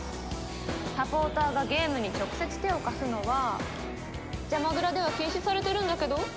サポーターがゲームに直接手を貸すのはジャマグラでは禁止されてるんだけど。